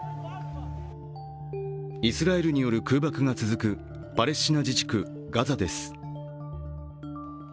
イスラエルによる空爆が続くパレスチナ自治区ガザです。